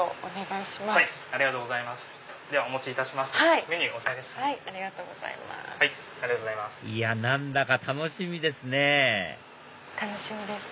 いや何だか楽しみですね楽しみです。